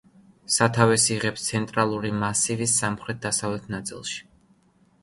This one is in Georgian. სათავეს იღებს ცენტრალური მასივის სამხრეთ-დასავლეთ ნაწილში.